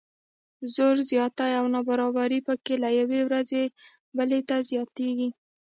زور زیاتی او نابرابري پکې له یوې ورځې بلې ته زیاتیږي.